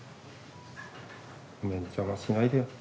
ごめん邪魔しないでよ。ね？